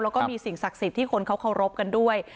แล้วก็มีสิ่งศักดิ์สิทธิ์ที่คนเขาเคารพกันด้วย